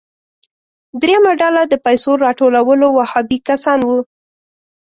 دریمه ډله د پیسو راټولولو وهابي کسان وو.